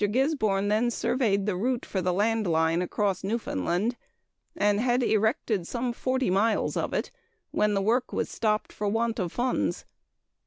Gisborne then surveyed the route for the land line across Newfoundland, and had erected some forty miles of it, when the work was stopped for want of funds.